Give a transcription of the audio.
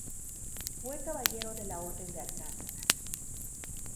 Fue caballero de la Orden de Alcántara.